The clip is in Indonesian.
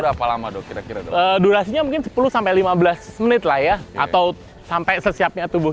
berapa lama dok kira kira durasinya mungkin sepuluh sampai lima belas menit lah ya atau sampai sesiapnya tubuh